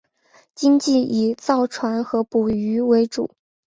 经济以造船和捕鱼为主。